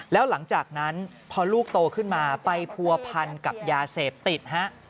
แล้วหลังจากนั้นพอลูกโตขึ้นมาไปผัวพันกับยาเสพติดฮะ